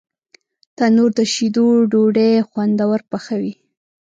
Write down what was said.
تنور د شیدو ډوډۍ خوندور پخوي